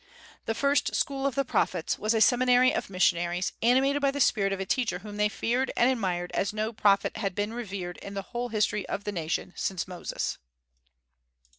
The first "school of the prophets" was a seminary of missionaries, animated by the spirit of a teacher whom they feared and admired as no prophet had been revered in the whole history of the nation since Moses.